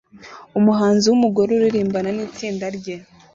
Umuhanzi wumugore uririmbana nitsinda rye